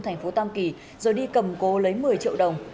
thành phố tam kỳ rồi đi cầm cố lấy một mươi triệu đồng